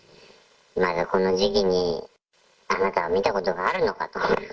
まずこの時期に、あなたは見たことがあるのかと。